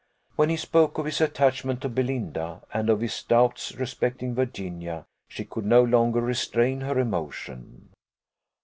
When he spoke of his attachment to Belinda, and of his doubts respecting Virginia, she could no longer restrain her emotion.